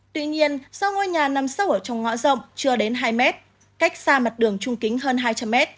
tuy nhiên do ngôi nhà nằm sâu ở trong ngõ rộng chưa đến hai mét cách xa mặt đường trung kính hơn hai trăm linh m